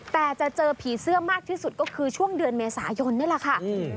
แต่จะเจอผีเสื้อมากที่สุดก็คือช่วงเดือนเมษายนนี่แหละค่ะ